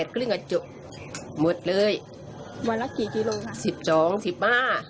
ของขึ้นก็ไม่เพิ่ม